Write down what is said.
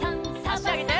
あしあげて。